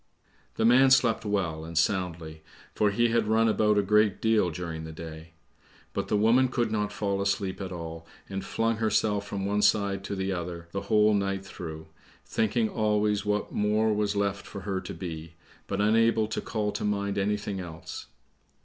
The man slept well and soundly, for he had run about a great deal during the day; but the woman could not fall asleep at all, and flung herself from one side to the other the whole night through, thinking always what more was left for her to be, but unable to call to mind anything else.